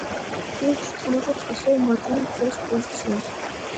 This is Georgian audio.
კლუბში თამაშობს ასევე მარჯვენა მცველის პოზიციაზე.